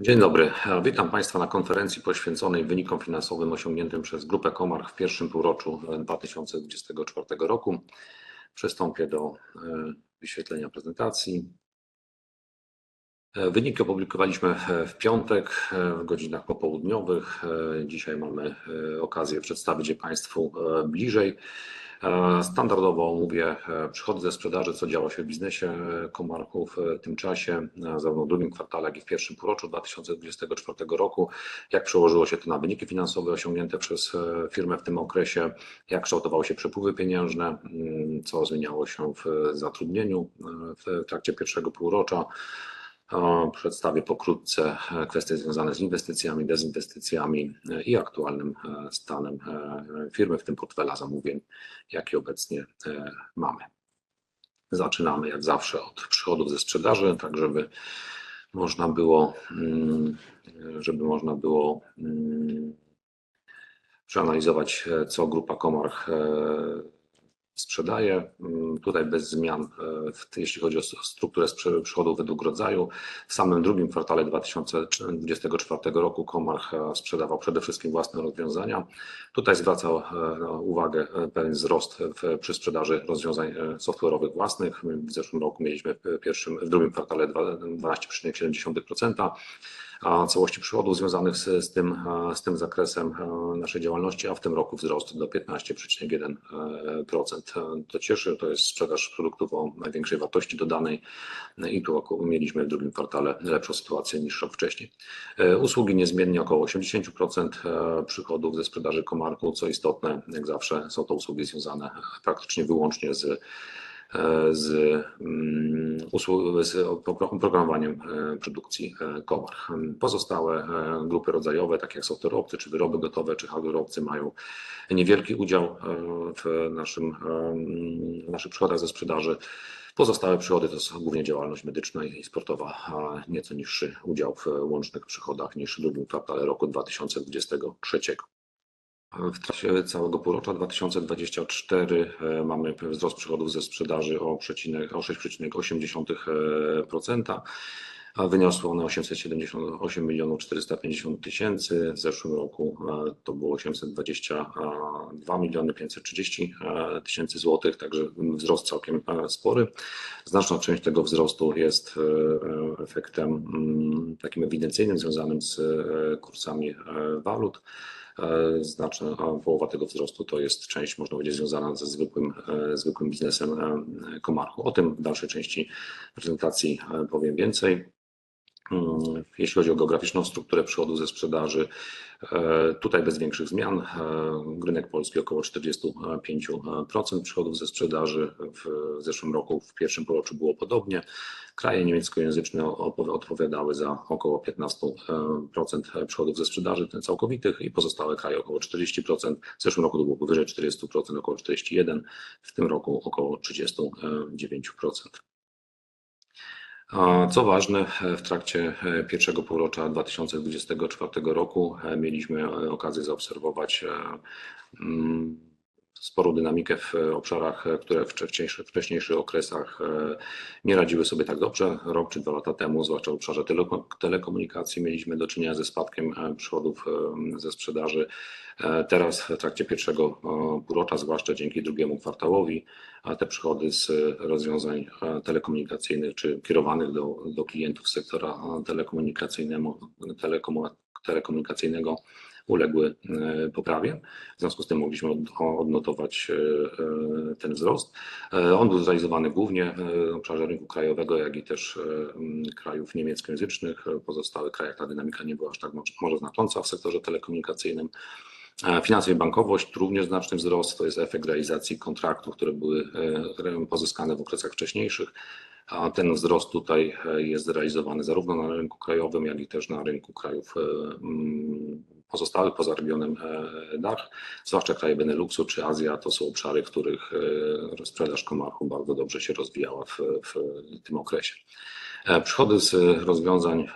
Dzień dobry, witam Państwa na konferencji poświęconej wynikom finansowym osiągniętym przez Grupę Comarch w pierwszym półroczu 2024 roku. Przystąpię do wyświetlenia prezentacji. Wyniki opublikowaliśmy w piątek w godzinach popołudniowych. Dzisiaj mamy okazję przedstawić je Państwu bliżej. Standardowo omówię przychody ze sprzedaży. Co działo się w biznesie Comarchu w tym czasie, zarówno w drugim kwartale, jak i w pierwszym półroczu 2024 roku? Jak przełożyło się to na wyniki finansowe osiągnięte przez firmę w tym okresie? Jak kształtowały się przepływy pieniężne? Co zmieniało się w zatrudnieniu w trakcie pierwszego półrocza? Przedstawię pokrótce kwestie związane z inwestycjami, dezinwestycjami i aktualnym stanem firmy, w tym portfela zamówień, jaki obecnie mamy. Zaczynamy jak zawsze od przychodów ze sprzedaży, tak żeby można było przeanalizować, co grupa Comarch sprzedaje. Tutaj bez zmian, jeśli chodzi o strukturę przychodów według rodzaju. W samym drugim kwartale 2024 roku Comarch sprzedawał przede wszystkim własne rozwiązania. Tutaj zwraca uwagę pewien wzrost przy sprzedaży rozwiązań software'owych własnych. W zeszłym roku mieliśmy w drugim kwartale 12,7% całości przychodów związanych z tym zakresem naszej działalności, a w tym roku wzrost do 15,1%. To cieszy. To jest sprzedaż produktów o największej wartości dodanej i tu mieliśmy w drugim kwartale lepszą sytuację niż rok wcześniej. Usługi niezmiennie około 80% przychodów ze sprzedaży Comarchu. Co istotne, jak zawsze są to usługi związane praktycznie wyłącznie z oprogramowaniem produkcji Comarch. Pozostałe grupy rodzajowe, takie jak software obcy czy wyroby gotowe czy hardware obcy, mają niewielki udział w naszych przychodach ze sprzedaży. Pozostałe przychody to jest głównie działalność medyczna i sportowa. Nieco niższy udział w łącznych przychodach niż w drugim kwartale roku 2023. W trakcie całego półrocza 2024 mamy wzrost przychodów ze sprzedaży o 6,8%, a wyniosły one 878,45 miliona złotych. W zeszłym roku to było 822,53 miliona złotych. Także wzrost całkiem spory. Znaczna część tego wzrostu jest efektem ewidencyjnym, związanym z kursami walut. Znaczna połowa tego wzrostu to jest część związana ze zwykłym biznesem Comarchu. O tym w dalszej części prezentacji powiem więcej. Jeśli chodzi o geograficzną strukturę przychodów ze sprzedaży, tutaj bez większych zmian. Rynek polski około 45% przychodów ze sprzedaży. W zeszłym roku, w pierwszym półroczu było podobnie. Kraje niemieckojęzyczne odpowiadały za około 15% przychodów ze sprzedaży całkowitych i pozostałe kraje około 40%. W zeszłym roku to było powyżej 40%, około 41%, w tym roku około 39%. Co ważne, w trakcie pierwszego półrocza 2024 roku mieliśmy okazję zaobserwować sporą dynamikę w obszarach, które w wcześniejszych okresach nie radziły sobie tak dobrze. Rok czy dwa lata temu, zwłaszcza w obszarze telekomunikacji, mieliśmy do czynienia ze spadkiem przychodów ze sprzedaży. Teraz, w trakcie pierwszego półrocza, zwłaszcza dzięki drugiemu kwartałowi, te przychody z rozwiązań telekomunikacyjnych czy kierowanych do klientów sektora telekomunikacyjnego uległy poprawie. W związku z tym mogliśmy odnotować ten wzrost. On był zrealizowany głównie w obszarze rynku krajowego, jak i też krajów niemieckojęzycznych. W pozostałych krajach ta dynamika nie była aż tak znacząca w sektorze telekomunikacyjnym. Finanse i bankowość również znaczny wzrost. To jest efekt realizacji kontraktów, które były pozyskane w okresach wcześniejszych. Ten wzrost tutaj jest zrealizowany zarówno na rynku krajowym, jak i też na rynku krajów pozostałych poza regionem DACH, zwłaszcza kraje Beneluksu czy Azja. To są obszary, w których sprzedaż Comarchu bardzo dobrze się rozwijała w tym okresie. Przychody z rozwiązań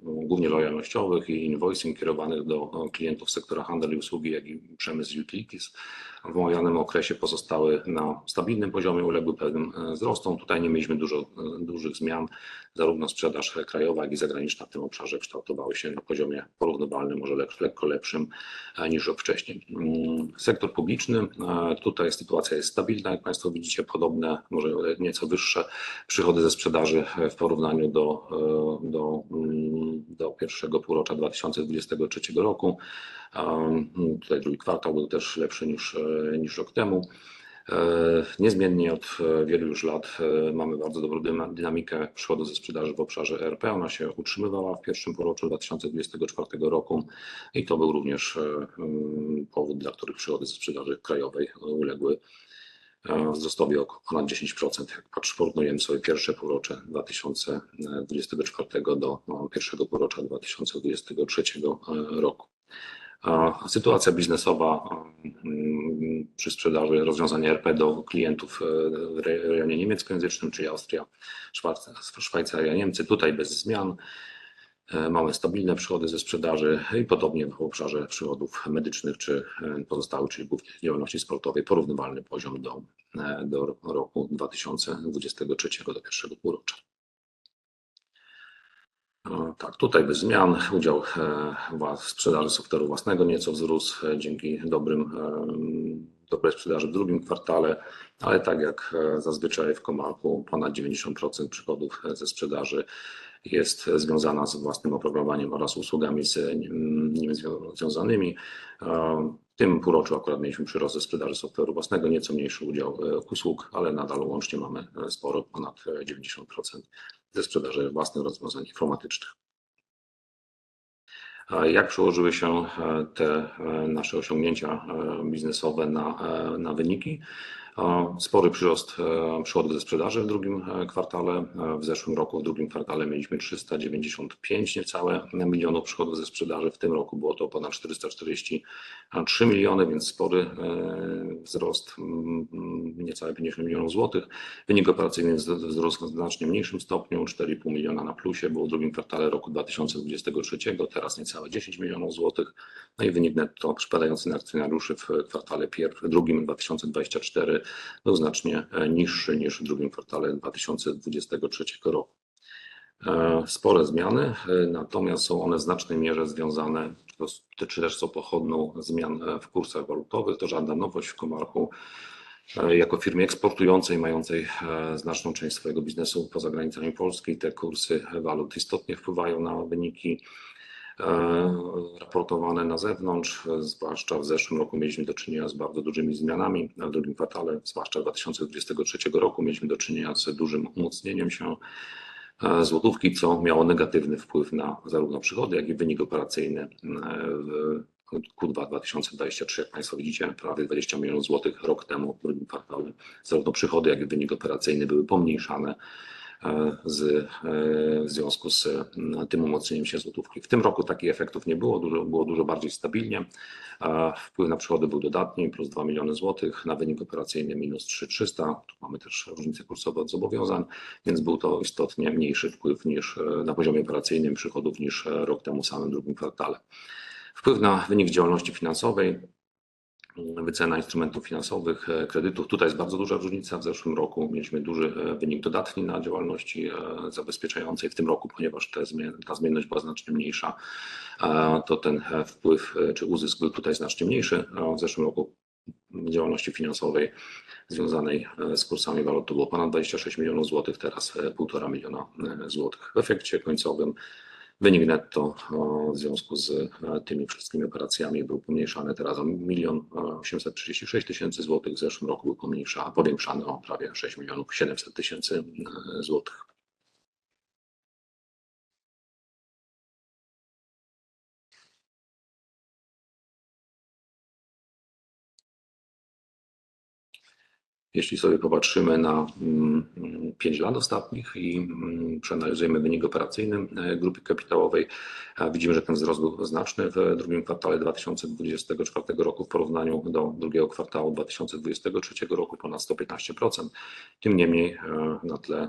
głównie lojalnościowych i invoicing kierowanych do klientów sektora handel i usługi, jak i przemysł i utilities w omawianym okresie pozostały na stabilnym poziomie i uległy pewnym wzrostom. Tutaj nie mieliśmy dużych zmian. Zarówno sprzedaż krajowa, jak i zagraniczna na tym obszarze kształtowały się na poziomie porównywalnym, może lekko lepszym niż rok wcześniej. Sektor publiczny - tutaj sytuacja jest stabilna. Jak Państwo widzicie, podobne, może nieco wyższe przychody ze sprzedaży w porównaniu do pierwszego półrocza 2023 roku. Tutaj drugi kwartał był też lepszy niż rok temu. Niezmiennie od wielu już lat mamy bardzo dobrą dynamikę przychodów ze sprzedaży w obszarze ERP. Ona się utrzymywała w pierwszym półroczu 2024 roku i to był również powód, dla którego przychody ze sprzedaży krajowej uległy wzrostowi o ponad 10%. Jak porównujemy sobie pierwsze półrocze 2024 do pierwszego półrocza 2023 roku. Sytuacja biznesowa przy sprzedaży rozwiązań ERP do klientów w regionie niemieckojęzycznym, czyli Austria, Szwajcaria, Niemcy. Tutaj bez zmian. Mamy stabilne przychody ze sprzedaży i podobnie w obszarze przychodów medycznych czy pozostałych, czyli głównie z działalności sportowej, porównywalny poziom do roku 2023, do pierwszego półrocza. Tak, tutaj bez zmian. Udział sprzedaży software'u własnego nieco wzrósł dzięki dobrej sprzedaży w drugim kwartale, ale tak jak zazwyczaj w Comarchu, ponad 90% przychodów ze sprzedaży jest związana z własnym oprogramowaniem oraz usługami z nim związanymi. W tym półroczu akurat mieliśmy przyrost ze sprzedaży software'u własnego, nieco mniejszy udział usług, ale nadal łącznie mamy sporo, ponad 90% ze sprzedaży własnych rozwiązań informatycznych. Jak przełożyły się te nasze osiągnięcia biznesowe na wyniki? Spory przyrost przychodów ze sprzedaży w drugim kwartale. W zeszłym roku, w drugim kwartale mieliśmy 395 niecałe milionów przychodów ze sprzedaży. W tym roku było to ponad 443 miliony, więc spory wzrost, niecałe 50 milionów złotych. Wynik operacyjny wzrósł w znacznie mniejszym stopniu. 4,5 miliona na plusie było w drugim kwartale roku 2023, teraz niecałe 10 milionów złotych. Wynik netto przypadający na akcjonariuszy w drugim kwartale 2024 był znacznie niższy niż w drugim kwartale 2023 roku. Spore zmiany, natomiast są one w znacznej mierze związane, czy też są pochodną zmian w kursach walutowych. To żadna nowość. W Comarchu jako firmie eksportującej, mającej znaczną część swojego biznesu poza granicami Polski, te kursy walut istotnie wpływają na wyniki raportowane na zewnątrz. Zwłaszcza w zeszłym roku mieliśmy do czynienia z bardzo dużymi zmianami. W drugim kwartale, zwłaszcza 2023 roku, mieliśmy do czynienia z dużym umocnieniem się złotówki, co miało negatywny wpływ na zarówno przychody, jak i wynik operacyjny w Q2 2023. Jak Państwo widzicie, prawie 20 milionów złotych. Rok temu, w drugim kwartale zarówno przychody, jak i wynik operacyjny były pomniejszane w związku z tym umocnieniem się złotówki. W tym roku takich efektów nie było. Było dużo bardziej stabilnie, a wpływ na przychody był dodatni plus 2 miliony złotych. Na wynik operacyjny minus 300 złotych. Tu mamy też różnice kursowe od zobowiązań, więc był to istotnie mniejszy wpływ niż na poziomie operacyjnym przychodów niż rok temu w samym drugim kwartale. Wpływ na wynik z działalności finansowej. Wycena instrumentów finansowych, kredytów. Tutaj jest bardzo duża różnica. W zeszłym roku mieliśmy duży wynik dodatni na działalności zabezpieczającej. W tym roku, ponieważ ta zmienność była znacznie mniejsza, to ten wpływ czy zysk był tutaj znacznie mniejszy. W zeszłym roku w działalności finansowej związanej z kursami walut to było ponad 26 milionów złotych, teraz 1,5 miliona złotych. W efekcie końcowym wynik netto w związku z tymi wszystkimi operacjami był pomniejszany teraz o 1 milion 836 tysięcy złotych. W zeszłym roku był powiększany o prawie 6 milionów 700 tysięcy złotych. Jeśli sobie popatrzymy na 5 lat ostatnich i przeanalizujemy wynik operacyjny grupy kapitałowej, widzimy, że ten wzrost był znaczny. W drugim kwartale 2024 roku, w porównaniu do drugiego kwartału 2023 roku, ponad 115%. Tym niemniej, na tle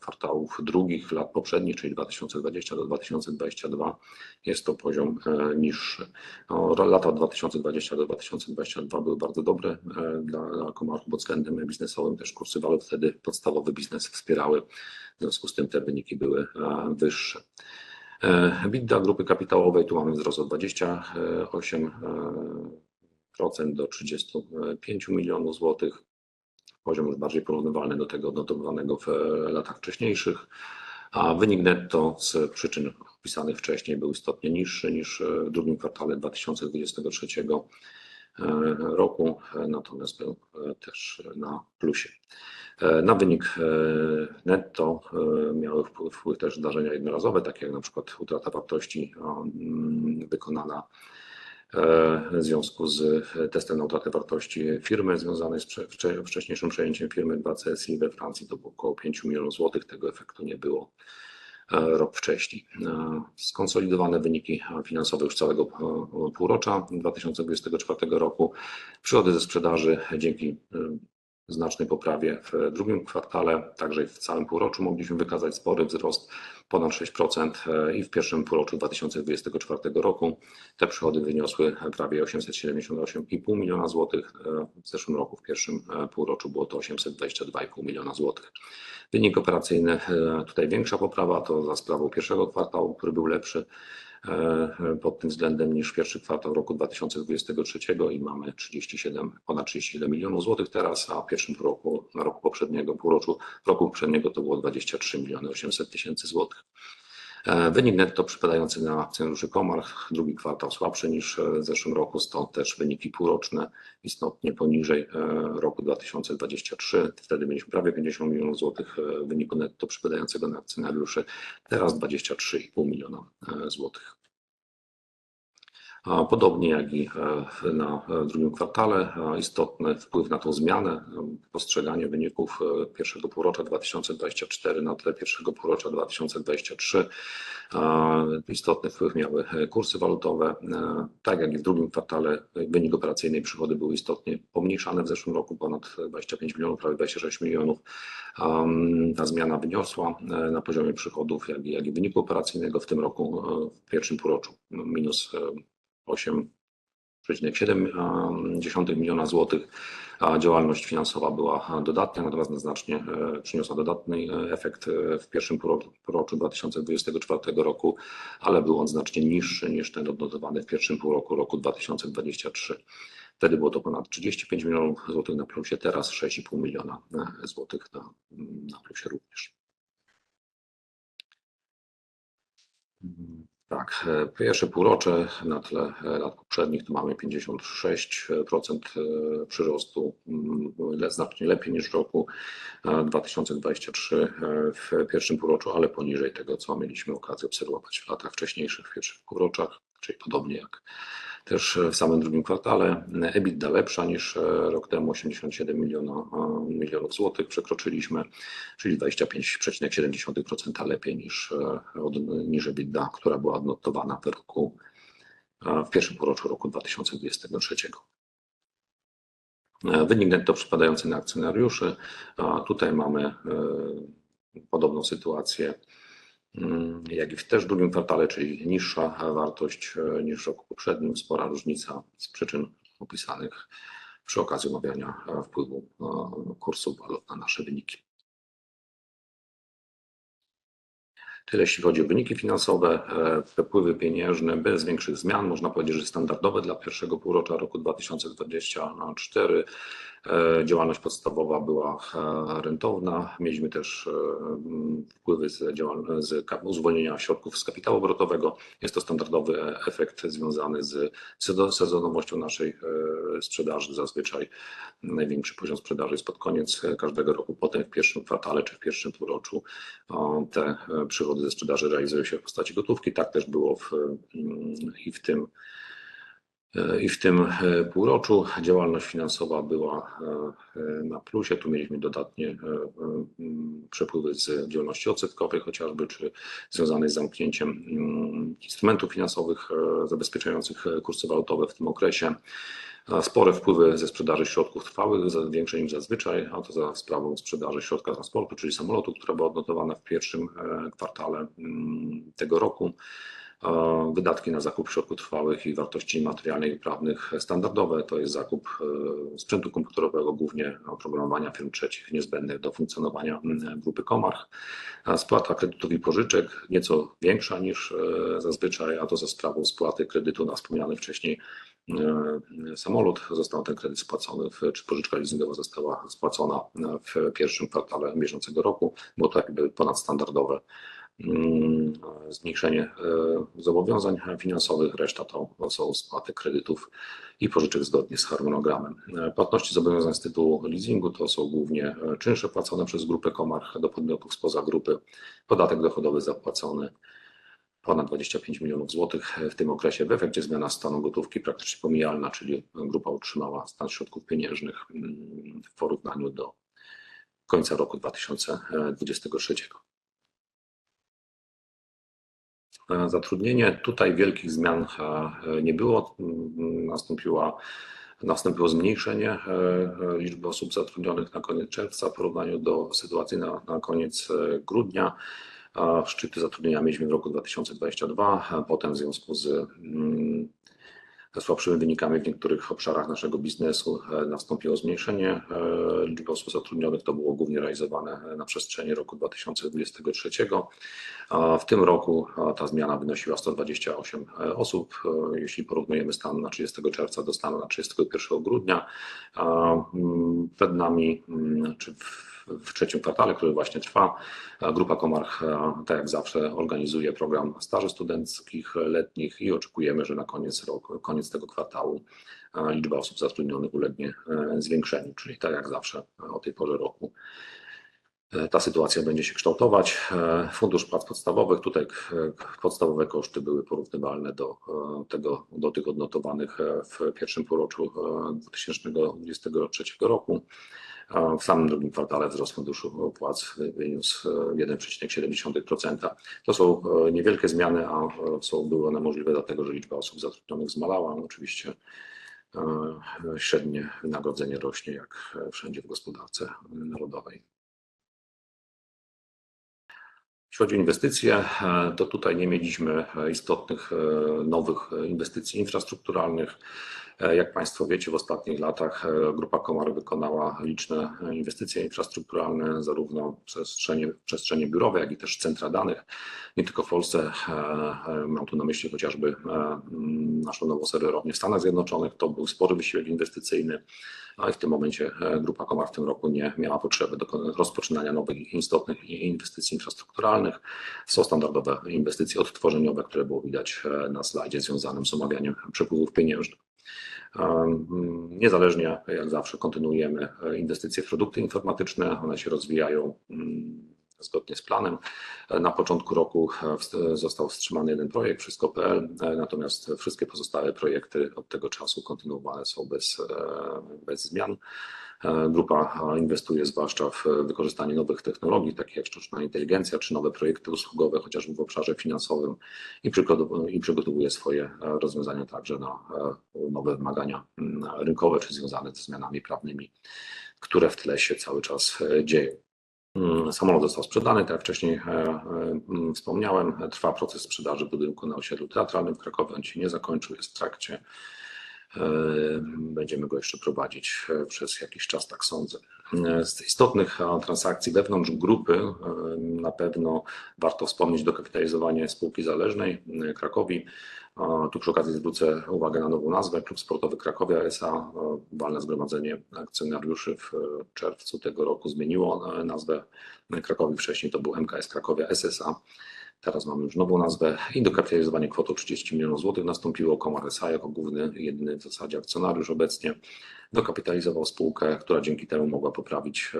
kwartałów drugich lat poprzednich, czyli 2020 do 2022, jest to poziom niższy. Lata 2020 do 2022 były bardzo dobre dla Comarchu pod względem biznesowym. Też kursy walut wtedy podstawowy biznes wspierały, w związku z tym te wyniki były wyższe. EBITDA grupy kapitałowej. Tu mamy wzrost o 28% do 35 milionów złotych. Poziom już bardziej porównywalny do tego odnotowanego w latach wcześniejszych, a wynik netto z przyczyn opisanych wcześniej, był istotnie niższy niż w drugim kwartale 2023 roku, natomiast był też na plusie. Na wynik netto miały wpływ też zdarzenia jednorazowe, takie jak na przykład utrata wartości wykonana w związku z testem na utratę wartości firmy związanej z wcześniejszym przejęciem firmy 2CI we Francji. To było około 5 milionów złotych. Tego efektu nie było rok wcześniej. Skonsolidowane wyniki finansowe już całego półrocza 2024 roku. Przychody ze sprzedaży dzięki znacznej poprawie w drugim kwartale, także i w całym półroczu mogliśmy wykazać spory wzrost ponad 6% i w pierwszym półroczu 2024 roku te przychody wyniosły prawie 878,5 miliona złotych. W zeszłym roku, w pierwszym półroczu było to 822,5 miliona złotych. Wynik operacyjny. Tutaj większa poprawa. To za sprawą pierwszego kwartału, który był lepszy pod tym względem niż pierwszy kwartał roku 2023 i mamy 37, ponad 37 milionów złotych teraz, a w pierwszym półroczu roku poprzedniego, półroczu roku poprzedniego to było 23,8 miliona złotych. Wynik netto przypadający na akcjonariuszy Comarch. Drugi kwartał słabszy niż w zeszłym roku. Stąd też wyniki półroczne istotnie poniżej roku 2023. Wtedy mieliśmy prawie 50 milionów złotych wyniku netto przypadającego na akcjonariuszy. Teraz 23,5 miliona złotych. Podobnie jak i na drugim kwartale, istotny wpływ na tą zmianę, postrzeganie wyników pierwszego półrocza 2024 na tle pierwszego półrocza 2023, istotny wpływ miały kursy walutowe. Tak jak i w drugim kwartale wynik operacyjny i przychody były istotnie pomniejszane. W zeszłym roku ponad 25 milionów, prawie 26 milionów, a ta zmiana wyniosła na poziomie przychodów, jak i wyniku operacyjnego w tym roku, w pierwszym półroczu minus 8,7 miliona złotych, a działalność finansowa była dodatnia, natomiast znacznie przyniosła dodatni efekt w pierwszym półroczu 2024 roku, ale był on znacznie niższy niż ten odnotowany w pierwszym półroczu roku 2023. Wtedy było to ponad 35 milionów złotych na plusie, teraz 6,5 miliona złotych na plusie również. Tak, pierwsze półrocze na tle lat poprzednich to mamy 56% przyrostu. Znacznie lepiej niż w roku 2023 w pierwszym półroczu, ale poniżej tego, co mieliśmy okazję obserwować w latach wcześniejszych, w pierwszych półroczach. Czyli podobnie jak też w samym drugim kwartale. EBITDA lepsza niż rok temu osiemdziesiąt siedem milionów złotych przekroczyliśmy, czyli 25,7% lepiej niż EBITDA, która była odnotowana w pierwszym półroczu roku 2023. Wynik netto przypadający na akcjonariuszy. Tutaj mamy podobną sytuację jak i w drugim kwartale, czyli niższa wartość niż w roku poprzednim. Spora różnica z przyczyn opisanych przy okazji omawiania wpływu kursu walut na nasze wyniki. Tyle jeśli chodzi o wyniki finansowe. Przepływy pieniężne bez większych zmian. Można powiedzieć, że standardowe dla pierwszego półrocza roku 2024. Działalność podstawowa była rentowna. Mieliśmy też wpływy z uwolnienia środków z kapitału obrotowego. Jest to standardowy efekt związany z sezonowością naszej sprzedaży. Zazwyczaj największy poziom sprzedaży jest pod koniec każdego roku, potem w pierwszym kwartale czy w pierwszym półroczu te przychody ze sprzedaży realizują się w postaci gotówki. Tak też było i w tym półroczu. Działalność finansowa była na plusie. Tu mieliśmy dodatnie przepływy z działalności odsetkowej chociażby, czy związanej z zamknięciem instrumentów finansowych zabezpieczających kursy walutowe w tym okresie. A spore wpływy ze sprzedaży środków trwałych, większe niż zazwyczaj, a to za sprawą sprzedaży środka transportu, czyli samolotu, która była odnotowana w pierwszym kwartale tego roku. Wydatki na zakup środków trwałych i wartości niematerialnych i prawnych standardowe, to jest zakup sprzętu komputerowego, głównie oprogramowania firm trzecich niezbędnych do funkcjonowania grupy Comarch. Spłata kredytów i pożyczek nieco większa niż zazwyczaj, a to za sprawą spłaty kredytu na wspomniany wcześniej samolot. Został ten kredyt spłacony w, czy pożyczka leasingowa została spłacona w pierwszym kwartale bieżącego roku. Było to jakby ponadstandardowe zmniejszenie zobowiązań finansowych. Reszta to są spłaty kredytów i pożyczek zgodnie z harmonogramem. Płatności zobowiązań z tytułu leasingu to są głównie czynsze płacone przez grupę Comarch do podmiotów spoza grupy. Podatek dochodowy zapłacony ponad 25 milionów złotych w tym okresie. W efekcie zmiana stanu gotówki praktycznie pomijalna, czyli grupa utrzymała stan środków pieniężnych w porównaniu do końca roku 2023. Zatrudnienie. Tutaj wielkich zmian nie było. Nastąpiło zmniejszenie liczby osób zatrudnionych na koniec czerwca w porównaniu do sytuacji na koniec grudnia. A szczyty zatrudnienia mieliśmy w roku 2022. Potem, w związku ze słabszymi wynikami w niektórych obszarach naszego biznesu, nastąpiło zmniejszenie liczby osób zatrudnionych. To było głównie realizowane na przestrzeni roku 2023. W tym roku ta zmiana wynosiła 128 osób, jeśli porównujemy stan na 30 czerwca do stanu na 31 grudnia. Przed nami w trzecim kwartale, który właśnie trwa, Grupa Comarch, tak jak zawsze, organizuje program staży studenckich letnich i oczekujemy, że na koniec tego kwartału liczba osób zatrudnionych ulegnie zwiększeniu. Tak jak zawsze o tej porze roku, ta sytuacja będzie się kształtować. Fundusz płac podstawowych - tutaj podstawowe koszty były porównywalne do tych odnotowanych w pierwszym półroczu 2023 roku. W samym drugim kwartale wzrost funduszu opłat wyniósł 1,7%. To są niewielkie zmiany, a były one możliwe dlatego, że liczba osób zatrudnionych zmalała. Oczywiście średnie wynagrodzenie rośnie jak wszędzie w gospodarce narodowej. Jeśli chodzi o inwestycje, to tutaj nie mieliśmy istotnych nowych inwestycji infrastrukturalnych. Jak państwo wiecie, w ostatnich latach Grupa Comarch wykonała liczne inwestycje infrastrukturalne zarówno w przestrzenie biurowe, jak i też centra danych. Nie tylko w Polsce. Mam tu na myśli chociażby naszą nową serwerownię w Stanach Zjednoczonych. To był spory wysiłek inwestycyjny, ale w tym momencie Grupa Comarch w tym roku nie miała potrzeby rozpoczynania nowych, istotnych inwestycji infrastrukturalnych. Są standardowe inwestycje odtworzeniowe, które było widać na slajdzie związanym z omawianiem przepływów pieniężnych. Niezależnie, jak zawsze kontynuujemy inwestycje w produkty informatyczne. One się rozwijają zgodnie z planem. Na początku roku został wstrzymany jeden projekt przez kopertę, natomiast wszystkie pozostałe projekty od tego czasu kontynuowane są bez zmian. Grupa inwestuje zwłaszcza w wykorzystanie nowych technologii, takich jak sztuczna inteligencja czy nowe projekty usługowe, chociażby w obszarze finansowym i przygotowuje swoje rozwiązania także na nowe wymagania rynkowe czy związane ze zmianami prawnymi, które w tle się cały czas dzieją. Samolot został sprzedany. Jak wcześniej wspomniałem, trwa proces sprzedaży budynku na osiedlu Teatralnym w Krakowie. On się nie zakończył, jest w trakcie. Będziemy go jeszcze prowadzić przez jakiś czas, tak sądzę. Z istotnych transakcji wewnątrz grupy na pewno warto wspomnieć dokapitalizowanie spółki zależnej Cracovii. A tu przy okazji zwrócę uwagę na nową nazwę Klub Sportowy Cracovia S.A. Walne Zgromadzenie Akcjonariuszy w czerwcu tego roku zmieniło nazwę Cracovii. Wcześniej to był MKS Cracovia S.S.A. Teraz mamy już nową nazwę i dokapitalizowanie kwotą 30 milionów złotych nastąpiło. Comarch S.A. jako główny, jedyny w zasadzie akcjonariusz obecnie dokapitalizował spółkę, która dzięki temu mogła poprawić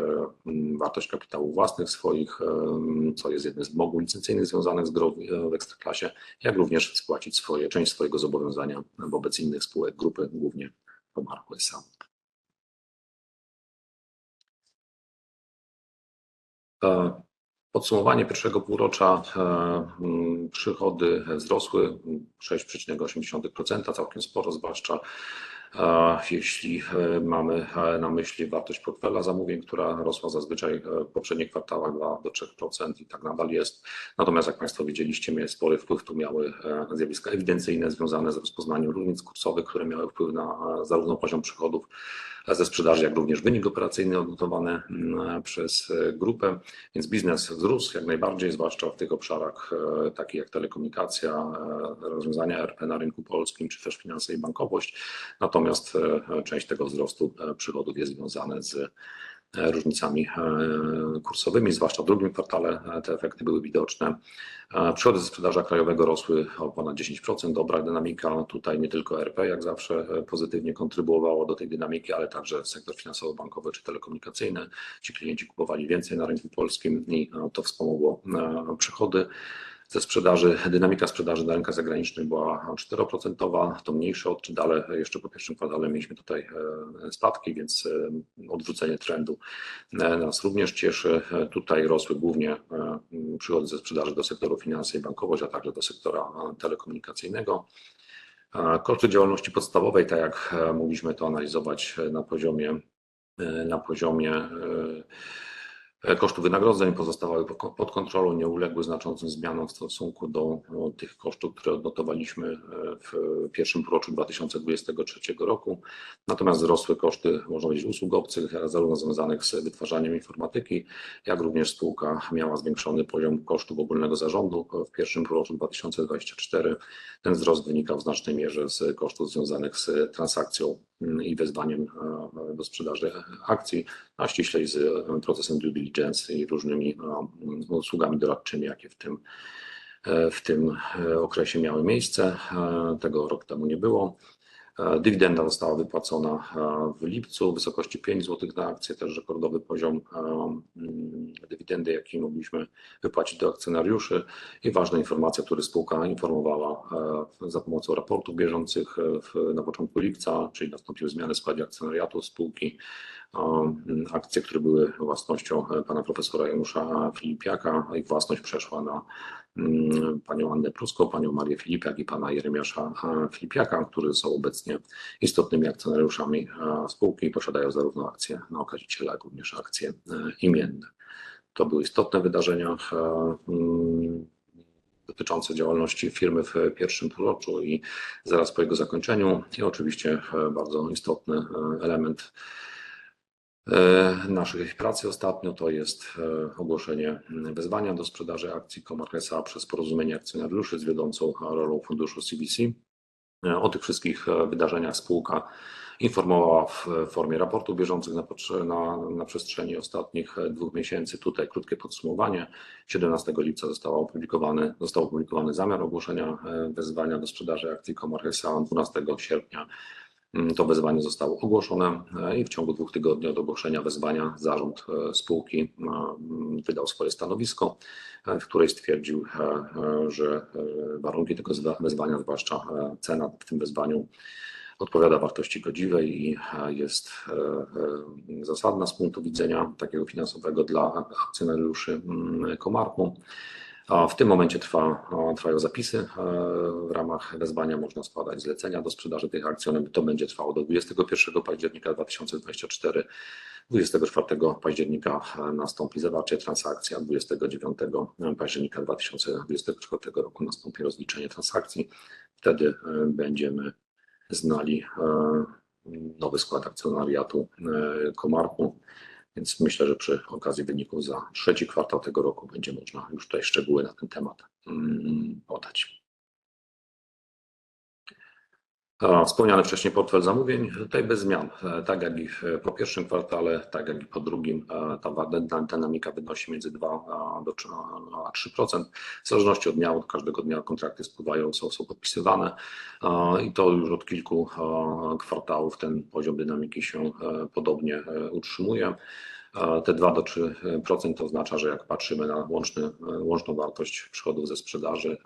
wartość kapitału własnego, co jest jednym z wymogów licencyjnych związanych ze zdrowiem w Ekstraklasie, jak również spłacić część swojego zobowiązania wobec innych spółek grupy, głównie Comarch S.A. Podsumowanie pierwszego półrocza. Przychody wzrosły 6,8%. Całkiem sporo, zwłaszcza jeśli mamy na myśli wartość portfela zamówień, która rosła zazwyczaj w poprzednich kwartałach 2-3%. I tak nadal jest. Natomiast jak Państwo widzieliście, spory wpływ tu miały zjawiska ewidencyjne związane z rozpoznaniem różnic kursowych, które miały wpływ na zarówno poziom przychodów ze sprzedaży, jak również wynik operacyjny odnotowane przez grupę. Więc biznes wzrósł jak najbardziej, zwłaszcza w tych obszarach takich jak telekomunikacja, rozwiązania ERP na rynku polskim czy też finanse i bankowość. Natomiast część tego wzrostu przychodów jest związany z różnicami kursowymi. Zwłaszcza w drugim kwartale te efekty były widoczne. Przychody ze sprzedaży krajowego rosły o ponad 10%. Dobra dynamika. Tutaj nie tylko ERP, jak zawsze, pozytywnie kontrybuowało do tej dynamiki, ale także sektor finansowo-bankowy czy telekomunikacyjny. Ci klienci kupowali więcej na rynku polskim i to wspomogło przychody ze sprzedaży. Dynamika sprzedaży na rynkach zagranicznych była 4%. To mniejszy odczyt, ale jeszcze po pierwszym kwartale mieliśmy tutaj spadki, więc odwrócenie trendu nas również cieszy. Tutaj rosły głównie przychody ze sprzedaży do sektoru finanse i bankowość, a także do sektora telekomunikacyjnego. Koszty działalności podstawowej, tak jak mogliśmy to analizować na poziomie kosztów wynagrodzeń, pozostały pod kontrolą. Nie uległy znaczącym zmianom w stosunku do tych kosztów, które odnotowaliśmy w pierwszym półroczu 2023 roku. Natomiast wzrosły koszty, można powiedzieć, usług obcych, zarówno związanych z wytwarzaniem informatyki, jak również spółka miała zwiększony poziom kosztów ogólnego zarządu w pierwszym półroczu 2024. Ten wzrost wynikał w znacznej mierze z kosztów związanych z transakcją i wezwaniem do sprzedaży akcji, a ściślej z procesem due diligence i różnymi usługami doradczymi, jakie w tym okresie miały miejsce. Tak, tego rok temu nie było. Dywidenda została wypłacona w lipcu w wysokości 5 zł za akcję. Też rekordowy poziom dywidendy, jaki mogliśmy wypłacić do akcjonariuszy. I ważna informacja, o której spółka informowała za pomocą raportów bieżących na początku lipca, czyli nastąpiły zmiany w składzie akcjonariatu spółki. Akcje, które były własnością pana profesora Janusza Filipiaka, ich własność przeszła na panią Annę Pruskową, panią Marię Filipiak i pana Jeremiasza Filipiaka, którzy są obecnie istotnymi akcjonariuszami spółki i posiadają zarówno akcje na okaziciela, jak również akcje imienne. To były istotne wydarzenia dotyczące działalności firmy w pierwszym półroczu i zaraz po jego zakończeniu. I oczywiście bardzo istotny element naszej pracy ostatnio to jest ogłoszenie wezwania do sprzedaży akcji Comarch S.A. przez porozumienie akcjonariuszy z wiodącą rolą funduszu CBC. O tych wszystkich wydarzeniach spółka informowała w formie raportów bieżących na potrzeby na przestrzeni ostatnich dwóch miesięcy. Tutaj krótkie podsumowanie. 17 lipca został opublikowany zamiar ogłoszenia wezwania do sprzedaży akcji Comarch S.A. 12 sierpnia to wezwanie zostało ogłoszone i w ciągu dwóch tygodni od ogłoszenia wezwania zarząd spółki wydał swoje stanowisko, w którym stwierdził, że warunki tego wezwania, zwłaszcza cena w tym wezwaniu, odpowiada wartości godziwej i jest zasadna z punktu widzenia finansowego dla akcjonariuszy Comarchu. W tym momencie trwają zapisy. W ramach wezwania można składać zlecenia do sprzedaży tych akcji. To będzie trwało do 21 października 2024. 24 października nastąpi zawarcie transakcji, a 29 października 2024 roku nastąpi rozliczenie transakcji. Wtedy będziemy znali nowy skład akcjonariatu Comarchu, więc myślę, że przy okazji wyników za trzeci kwartał tego roku będzie można już tutaj szczegóły na ten temat podać. Wspomniany wcześniej portfel zamówień. Tutaj bez zmian. Tak jak i po pierwszym kwartale, tak i po drugim, ta dynamika wynosi między 2% do 3%. W zależności od dnia. Od każdego dnia kontrakty spływają, są podpisywane, i to już od kilku kwartałów ten poziom dynamiki się podobnie utrzymuje. Te 2% do 3% oznacza, że jak patrzymy na łączną wartość przychodów ze sprzedaży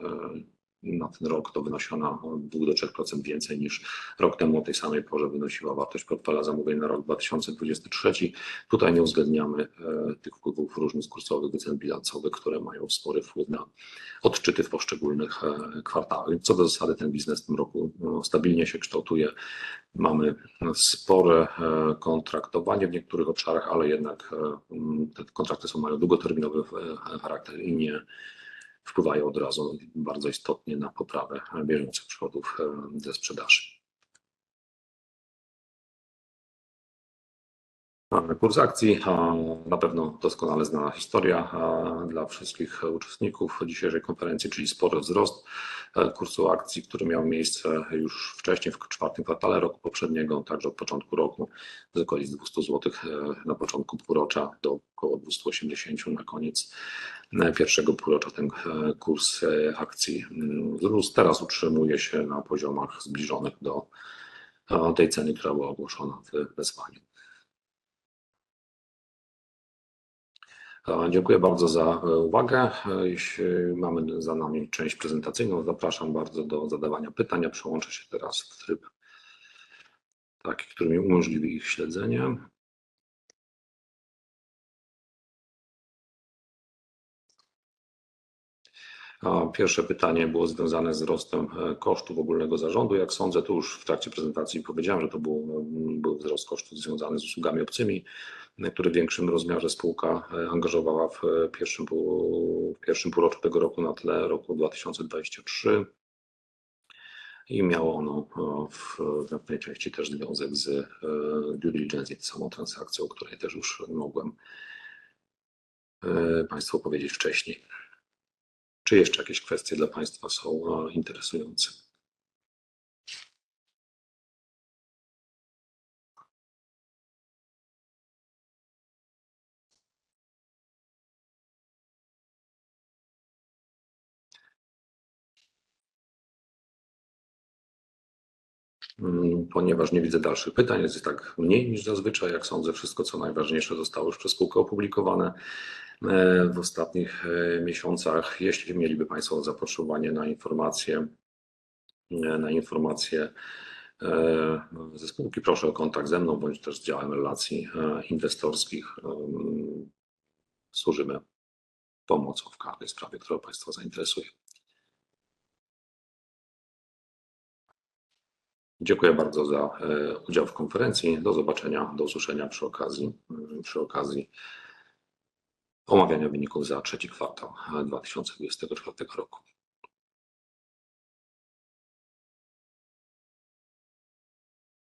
na ten rok, to wynosi ona od 2% do 3% więcej niż rok temu o tej samej porze wynosiła wartość portfela zamówień na rok 2023. Tutaj nie uwzględniamy tych wpływów różnic kursowych i cen bilansowych, które mają spory wpływ na odczyty w poszczególnych kwartałach. Co do zasady, ten biznes w tym roku stabilnie się kształtuje. Mamy spore kontraktowanie w niektórych obszarach, ale jednak te kontrakty mają długoterminowy charakter i nie wpływają od razu bardzo istotnie na poprawę bieżących przychodów ze sprzedaży. Mamy kurs akcji, a na pewno doskonale znana historia dla wszystkich uczestników dzisiejszej konferencji, czyli spory wzrost kursu akcji, który miał miejsce już wcześniej, w czwartym kwartale roku poprzedniego, także od początku roku, z okolic 200 złotych na początku półrocza do około 280 złotych na koniec pierwszego półrocza ten kurs akcji wzrósł. Teraz utrzymuje się na poziomach zbliżonych do tej ceny, która była ogłoszona w wezwaniu. Dziękuję bardzo za uwagę. Jeśli mamy za nami część prezentacyjną, zapraszam bardzo do zadawania pytań. Ja przełączę się teraz w tryb taki, który mi umożliwi ich śledzenie. Pierwsze pytanie było związane ze wzrostem kosztów ogólnego zarządu. Jak sądzę, to już w trakcie prezentacji powiedziałem, że to był wzrost kosztów związany z usługami obcymi, które w większym rozmiarze spółka angażowała w pierwszym półroczu tego roku na tle roku 2023 i miało ono w największej części też związek z due diligence i z samą transakcją, o której też już mogłem Państwu powiedzieć wcześniej. Czy jeszcze jakieś kwestie dla Państwa są interesujące? Ponieważ nie widzę dalszych pytań, jest ich tak mniej niż zazwyczaj. Jak sądzę, wszystko, co najważniejsze, zostało już przez spółkę opublikowane w ostatnich miesiącach. Jeśli mieliby Państwo zapotrzebowanie na informacje ze spółki, proszę o kontakt ze mną bądź też z działem relacji inwestorskich. Służymy pomocą w każdej sprawie, która Państwa zainteresuje. Dziękuję bardzo za udział w konferencji. Do zobaczenia. Do usłyszenia przy okazji omawiania wyników za trzeci kwartał 2024 roku.